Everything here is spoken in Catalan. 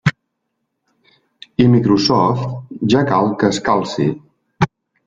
I Microsoft ja cal que es calci.